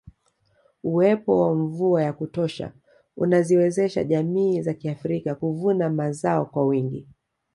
Uwepo wa mvua ya kutosha unaziwezesha jamii za kiafrika kuvuna mazao kwa wingi